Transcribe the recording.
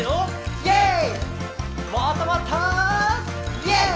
「イェーイ！」